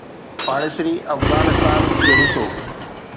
پاڙيسري افغانستان کي ڏسو.